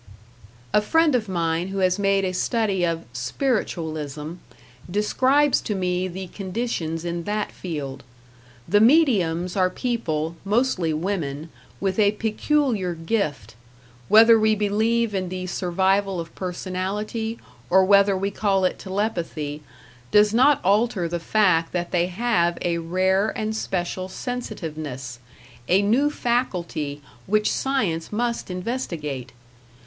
A friend of mine who has made a study of "Spiritualism" describes to me the conditions in that field. The mediums are people, mostly women, with a peculiar gift; whether we believe in the survival of personality, or whether we call it telepathy, does not alter the fact that they have a rare and special sensitiveness, a new faculty which science must investigate.